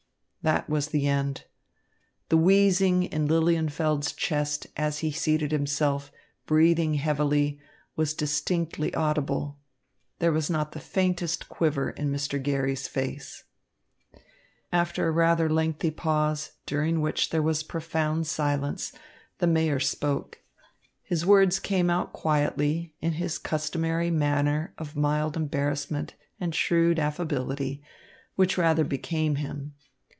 That was the end. The wheezing in Lilienfeld's chest, as he seated himself, breathing heavily, was distinctly audible. There was not the faintest quiver in Mr. Garry's face. After a rather lengthy pause, during which there was profound silence, the Mayor spoke. His words came out quietly, in his customary manner of mild embarrassment and shrewd affability, which rather became him.